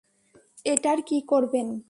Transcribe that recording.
এটার কী করবেন?